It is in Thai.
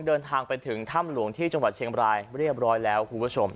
เดินทางไปถึงถ้ำหลวงที่จังหวัดเชียงบรายเรียบร้อยแล้วคุณผู้ชม